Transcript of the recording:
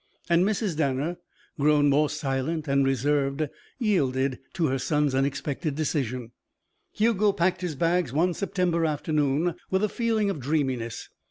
And Mrs. Danner, grown more silent and reserved, yielded to her son's unexpected decision. Hugo packed his bags one September afternoon, with a feeling of dreaminess.